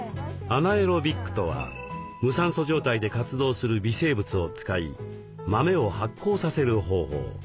アナエロビックとは無酸素状態で活動する微生物を使い豆を発酵させる方法。